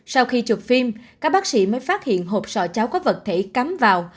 sau khi chụp phim các bác sĩ mới phát hiện hộp sọ cháo có vật thể cắm vào